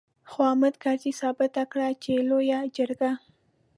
خو حامد کرزي ثابته کړه چې لويه جرګه.